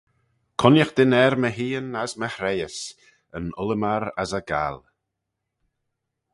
Cooinaghtyn er my heaghyn as my hreihys, yn ullymar as y gall.